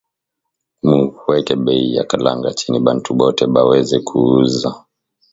Mu weke beyi ya kalanga chini bantu bote ba weze ku uza